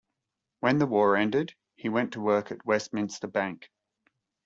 When the war ended, he went to work at Westminster Bank.